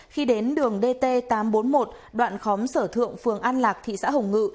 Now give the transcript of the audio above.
khi đến đường dt tám trăm bốn mươi một đoạn khóm sở thượng phường an lạc thị xã hồng ngự